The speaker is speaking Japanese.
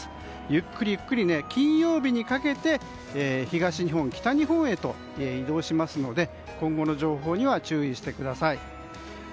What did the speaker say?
ゆっくりゆっくり金曜日にかけて東日本、北日本へと移動するので今後の情報には注意してください。